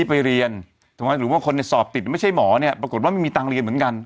ไปเรียนทำไมหรือว่าคนในสอบติดไม่ใช่หมอปรากฏว่ามีทางเรียนเหมือนกัน